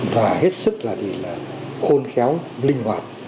và hết sức là khôn khéo linh hoạt